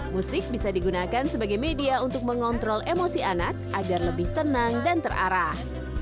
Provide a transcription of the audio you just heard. musik bisa digunakan sebagai media untuk mengontrol emosi anak agar lebih tenang dan terarah